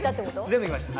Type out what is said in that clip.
全部行きました